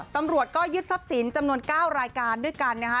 ตำรวจก็ยึดทรัพย์สินจำนวน๙รายการด้วยกันนะคะ